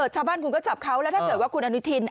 ชาวบ้านคุณก็จับเขาแล้วถ้าเกิดว่าคุณอนุทิน